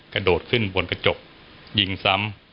กระโดดขึ้นบนกระจกยิงซ้ำ